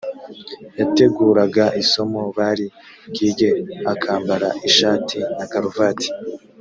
yateguraga isomo bari bwige akambara ishati na karuvati